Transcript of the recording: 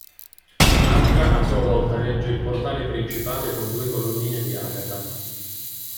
L’Arca a sua volta regge il portale principale, con due colonnine di agata.